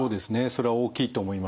それは大きいと思います。